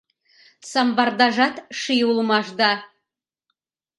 Самбардажат ший улмаш да